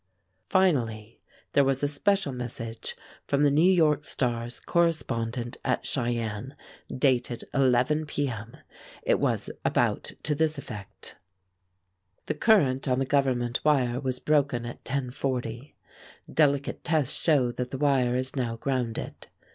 Finally there was a special message from the New York Star's correspondent at Cheyenne, dated 11 P. M. It was about to this effect: The current on the Government wire was broken at 10:40. Delicate tests show that the wire is now grounded.